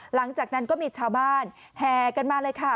หลังจากนั้นก็มีชาวบ้านแห่กันมาเลยค่ะ